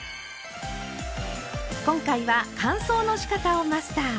今回は乾燥のしかたをマスター。